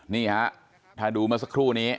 นี่ฮะถ้าดูเมื่อสักครู่นี้